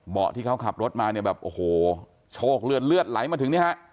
ที่เขาขับรถมาเนี่ยแบบโอ้โหโชคเลือดเลือดไหลมาถึงเนี่ยฮะ